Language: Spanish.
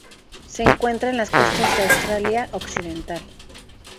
Se encuentra en las costas de Australia Occidental.